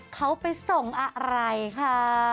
เขาไปส่งอะไรค่ะ